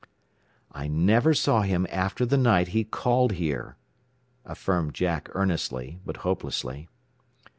"I never saw him after the night he called here," affirmed Jack earnestly, but hopelessly.